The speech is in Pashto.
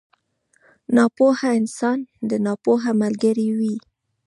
ناپوه انسان د ناپوه ملګری وي.